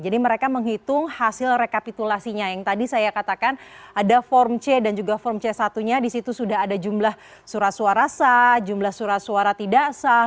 jadi mereka menghitung hasil rekapitulasinya yang tadi saya katakan ada form c dan juga form c satu nya disitu sudah ada jumlah surat suara sah jumlah surat suara tidak sah